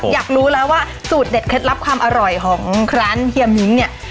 อยากรู้แล้วว่าสูตรเด็ดเคล็ดลับความอร่อยของร้านเฮียมิ้งเนี่ย